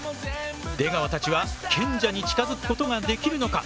出川たちは賢者に近づくことができるのか。